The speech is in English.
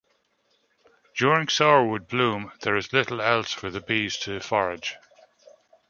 During sourwood bloom, there is little else for the bees to forage.